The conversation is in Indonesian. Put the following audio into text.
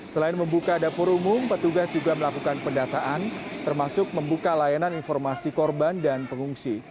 selain membuka dapur umum petugas juga melakukan pendataan termasuk membuka layanan informasi korban dan pengungsi